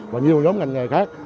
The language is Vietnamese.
và nhiều nhóm ngành nghề khác